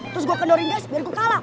terus gua ke dorindas biar gua kalah